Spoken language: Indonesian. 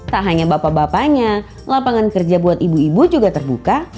tak hanya bapak bapaknya lapangan kerja buat ibu ibu juga terbuka